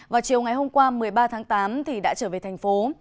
và chiều ngày hôm qua một mươi ba tháng tám thì đã trở về thành phố